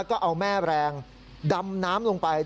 ก็เอาแม่แรงดำน้ำลงไป